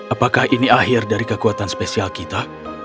apakah ini akhir dari kekuatan spesial kita